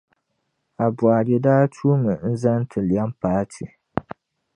Aboagye daa tuumi n-zani ti lɛm paati.